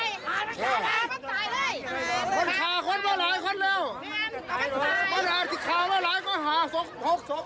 คนชาคนมาหลายคนมาหาศพ